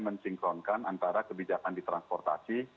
mensinkronkan antara kebijakan di transportasi